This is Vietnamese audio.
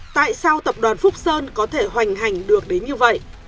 tại sao tập đoàn phúc sơn có thể hoành hành được đến như vậy